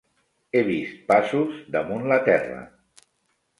He vist passos damunt la terra.